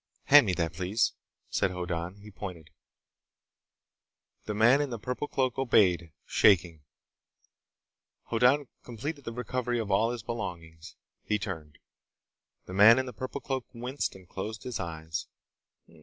"Hand me that, please," said Hoddan. He pointed. The man in the purple cloak obeyed, shaking. Hoddan completed the recovery of all his belongings. He turned. The man in the purple cloak winced and closed his eyes.